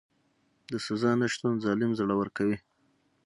د سزا نشتون ظالم زړور کوي.